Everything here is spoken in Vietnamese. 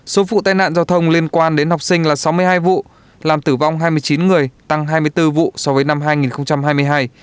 số vụ tai nạn giao thông liên quan đến học sinh là sáu mươi hai vụ làm tử vong hai mươi chín người tăng hai mươi bốn vụ so với năm hai nghìn hai mươi hai